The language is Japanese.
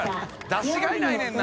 出しがいないねんな。